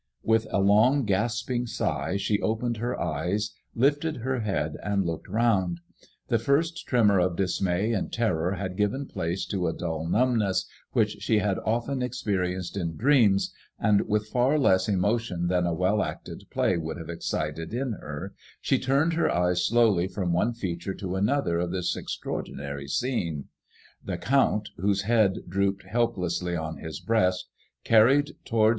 With a long gasping sigh she opened her eyes, lifted her head, and looked round. The first tremor of dismay and terror had given place to a dull numbness which she had often experienced in dreams, and with far less emotion than a well acted play would have excited in her, she turned her eyes slowly from one feature to another of this extra ordinary scene; the Count, whose head drooped helplessly on his breast« carried towards* MADEIIOISBLLB IXE.